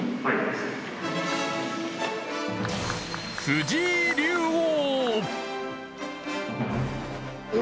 藤井竜王！